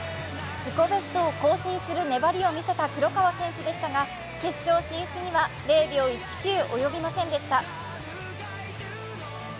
自己ベストを更新する粘りを見せた黒川選手でしたが、決勝進出には０秒１９及びませんでした。